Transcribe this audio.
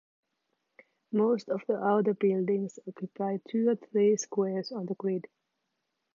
Most of the outer buildings occupy two or three squares on the grid.